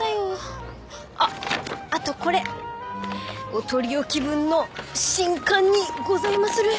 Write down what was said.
あっあとこれお取り置き分の新刊にございまする。